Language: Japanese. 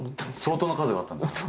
相当な数があったんですか？